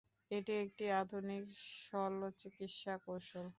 এটি একটি আধুনিক শল্যচিকিৎসা কৌশল।